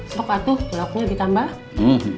bapak tuh gelapnya ditambah